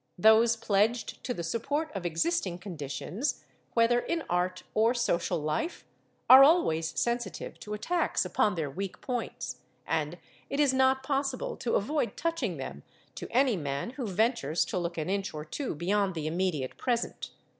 Those pledged to the support of existing conditions, whether in art or social life, are always sensitive to attacks upon their weak points, and it is not possible to avoid touching them to any man who ventures to look an inch or two beyond the immediate present.